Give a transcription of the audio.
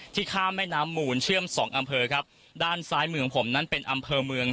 ข้ามแม่น้ำหมูลเชื่อมสองอำเภอครับด้านซ้ายมือของผมนั้นเป็นอำเภอเมือง